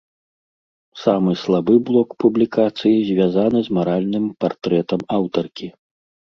Самы слабы блок публікацыі звязаны з маральным партрэтам аўтаркі.